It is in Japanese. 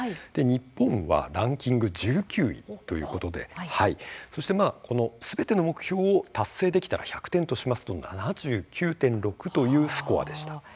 日本はランキング１９位ということですべての目標を達成できたら１００点としますと７９．６というスコアでした。